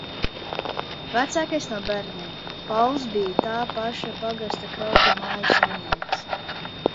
Vecākais no bērniem – Paulis, bija tā paša pagasta Kraukļu māju saimnieks.